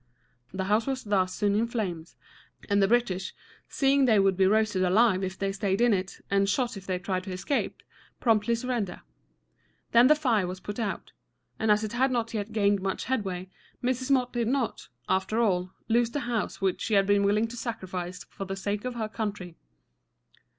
The house was thus soon in flames, and the British, seeing they would be roasted alive if they staid in it, and shot if they tried to escape, promptly surrendered. Then the fire was put out, and as it had not yet gained much headway, Mrs. Motte did not, after all, lose the house which she had been willing to sacrifice for the sake of her country.